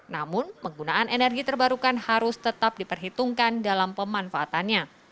namun penggunaan energi terbarukan harus tetap diperhitungkan dalam pemanfaatannya